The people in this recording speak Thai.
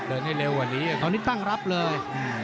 ให้เร็วกว่านี้ตอนนี้ตั้งรับเลย